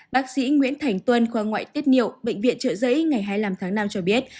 bác sĩ nguyễn thành tuân khoa ngoại tiết niệu bệnh viện trợ giấy ngày hai mươi năm tháng năm cho biết